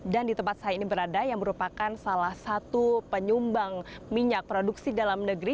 dan di tempat saya ini berada yang merupakan salah satu penyumbang minyak produksi dalam negeri